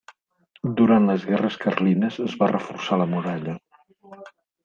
Durant les guerres carlines es va reforçar la muralla.